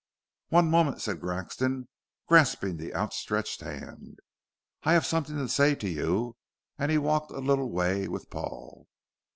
"One moment," said Grexon, grasping the outstretched hand. "I have something to say to you," and he walked a little way with Paul.